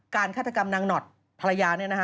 การฆาตกรรมทำนางนอดภรรยาเนี่ยนะฮะ